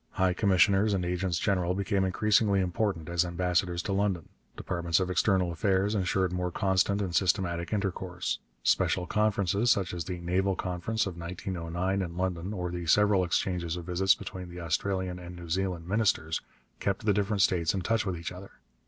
High commissioners and agents general became increasingly important as ambassadors to London. Departments of External Affairs ensured more constant and systematic intercourse. Special conferences, such as the Naval Conference of 1909 in London, or the several exchanges of visits between the Australian and the New Zealand ministers, kept the different states in touch with each other.